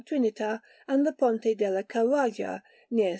Trinita and the Ponte della Carraja, near S.